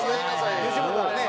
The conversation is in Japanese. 吉本のね。